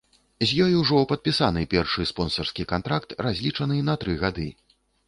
З ёй ужо падпісаны першы спонсарскі кантракт, разлічаны на тры гады.